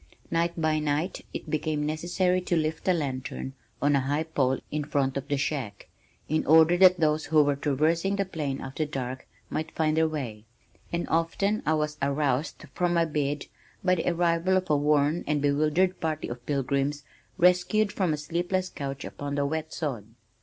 Night by night it became necessary to lift a lantern on a high pole in front of the shack, in order that those who were traversing the plain after dark might find their way, and often I was aroused from my bed by the arrival of a worn and bewildered party of pilgrims rescued from a sleepless couch upon the wet sod.